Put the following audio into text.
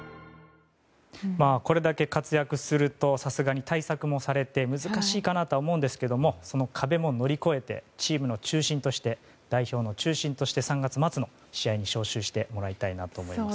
これだけ活躍するとさすがに対策もされて難しいかなとは思うんですけどその壁も乗り越えてチームの中心として代表の中心として３月末の試合に招集してもらいたいと思います。